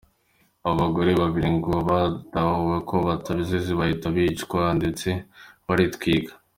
Abo bagore babiri ngo batahuweho ko batazizi bahita bicwa ndetse baratwikwa.